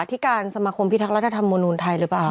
ที่การสมาคมพิทักษ์รัฐธรรมนุนไทยหรือเปล่า